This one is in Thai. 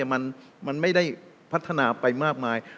มันไม่ได้พัฒนาไปมากมาย